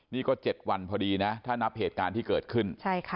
นี่ก็๗วันพอดีนะถ้านับเหตุการณ์ที่เกิดขึ้น